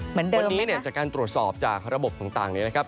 เหมือนเดิมวันนี้เนี่ยจากการตรวจสอบจากระบบต่างเนี่ยนะครับ